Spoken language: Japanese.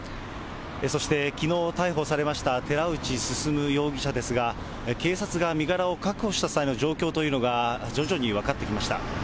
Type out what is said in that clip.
そしてきのう逮捕されました、寺内進容疑者ですが、警察が身柄を確保した際の状況というのが徐々に分かってきました。